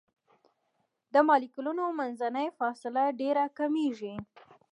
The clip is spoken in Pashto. د مالیکولونو منځنۍ فاصله ډیره کمیږي.